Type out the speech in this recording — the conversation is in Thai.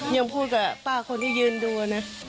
ยังพูดกับป้าคนที่ยืนดูนะ